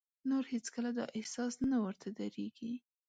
نور هېڅ کله دا احساس نه ورته درېږي.